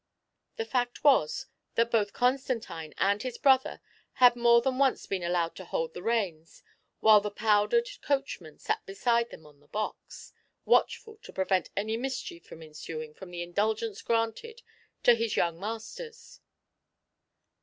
The fact was, that both Constantine and his brother had more than once been allowed to hold the reins, while the powdered coachman sat beside them on the box, watchful to prevent any mischief from ensuing from the indulgence granted to his young masters.